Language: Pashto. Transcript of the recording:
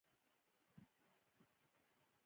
په خبرو کې د اورېدو پر ځای مداخله کوو.